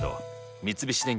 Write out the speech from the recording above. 三菱電機